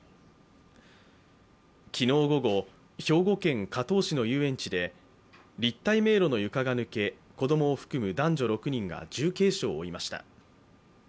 昨日午後、兵庫県加東市の遊園地で立体迷路の床が抜け子供を含む男女６人が重軽傷を負いました。